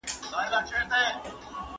A ګروپ د بدن دفاعي سیستم قوي کوي.